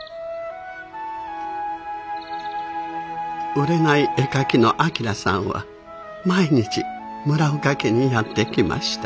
売れない絵描きの旭さんは毎日村岡家にやって来ました。